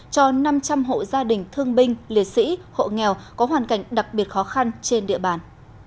cho năm trăm linh hộ gia đình thương binh liệt sĩ hộ nghèo có hoàn cảnh đặc biệt khó khăn trên địa bàn